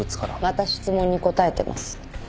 また質問に答えてます。